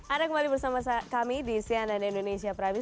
anda kembali bersama kami di sian and indonesia prime news